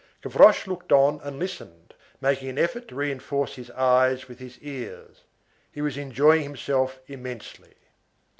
Gavroche looked on and listened, making an effort to reinforce his eyes with his ears. He was enjoying himself immensely.